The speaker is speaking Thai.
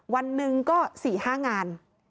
วันหนึ่งก็๔๕งาน